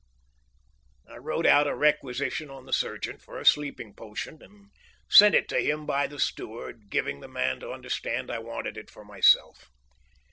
I wrote out a requisition on the surgeon for a sleeping potion and sent it to him by the steward, giving the man to understand I wanted it for myself.